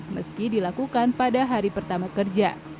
meski dilakukan pada hari pertama kerja